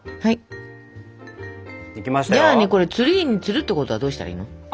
じゃあねこれツリーに吊るってことはどうしたらいいの？